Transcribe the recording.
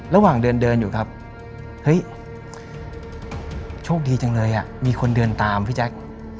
ระหว่างเดินเดินอยู่ครับเฮ้ยโชคดีจังเลยมีคนเดินตามพี่แจ๊ค